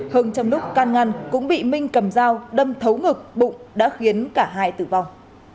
hưng trong lúc can ngăn cũng bị minh cầm dao đâm thấu ngực bụng đã khiến cả hai tử vong